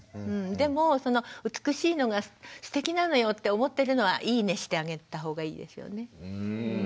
でも美しいのがすてきなのよって思ってるのはいいねしてあげた方がいいですよね。